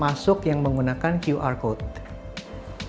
masuk yang menggunakan qr code